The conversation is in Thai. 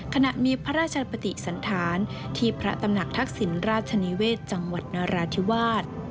ขณะมีพระราชปฏิสันธารที่พระตำหนักทักษิณราชนิเวศจังหวัดนราธิวาส